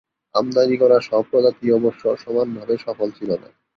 আমদানি করা সব প্রজাতিই অবশ্য সমানভাবে সফল ছিল না।